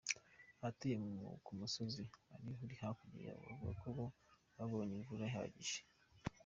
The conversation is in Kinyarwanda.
Abatuye ku musozi uri hakurya yabo bavuga ko bo babonye imvura ihagije.